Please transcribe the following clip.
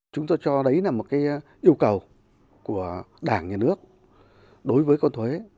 chúng tôi cho đấy là một yêu cầu của đảng nhà nước đối với con thuế